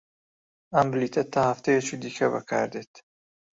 ئەم بلیتە تا هەفتەیەکی دیکە بەکاردێت.